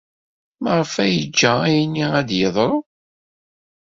Maɣef ay yeǧǧa ayenni ad d-yeḍru?